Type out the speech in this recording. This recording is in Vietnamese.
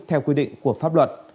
theo quy định của pháp luật